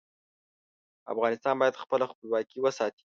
افغانستان باید خپله خپلواکي وساتي.